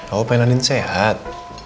aku pengen anin sehat